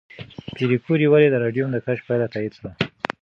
پېیر کوري ولې د راډیوم د کشف پایله تایید کړه؟